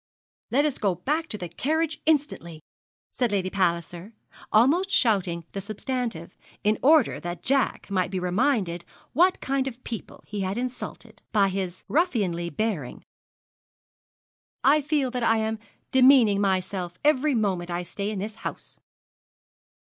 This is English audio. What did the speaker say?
'Let us go back to the carriage instantly,' said Lady Palliser, almost shouting the substantive, in order that Jack might be reminded what kind of people he had insulted by his ruffianly bearing. 'I feel that I am bemeaning myself every moment I stay in this house.'